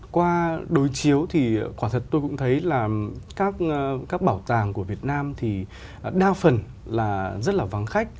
qua đối chiếu thì quả thật tôi cũng thấy là các bảo tàng của việt nam thì đa phần là rất là vắng khách